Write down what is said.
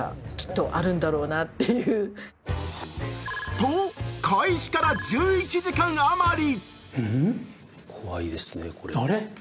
と、開始から１１時間余り！